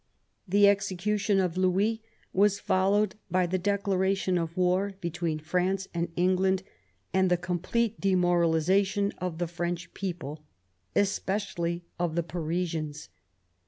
The execution of Louis was followed by the declaration of war between France and England and the complete demoralization of the French people, especially of the Parisians.